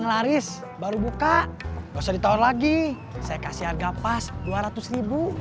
gak usah ditawar lagi saya kasih harga pas dua ratus ribu